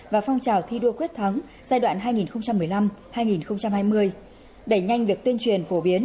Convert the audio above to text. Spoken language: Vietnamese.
và phong trào thi đua quyết thắng giai đoạn hai nghìn một mươi năm hai nghìn hai mươi đẩy nhanh việc tuyên truyền phổ biến